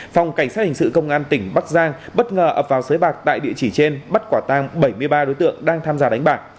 phòng cảnh sát hình sự công an tỉnh bắc giang bất ngờ ập vào sới bạc tại địa chỉ trên bắt quả tang bảy mươi ba đối tượng đang tham gia đánh bạc